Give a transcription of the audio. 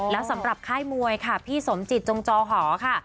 แล้วสำหรับค่ายมวยค่ะพี่สมจิตจงจอหอค่ะ